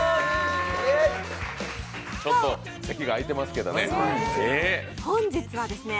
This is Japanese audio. ちょっと席が空いてますけどね。